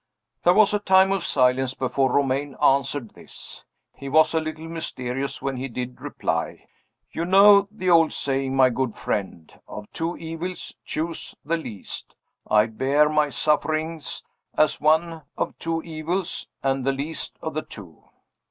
There was a time of silence, before Romayne answered this. He was a little mysterious when he did reply. "You know the old saying, my good friend of two evils, choose the least. I bear my sufferings as one of two evils, and the least of the two."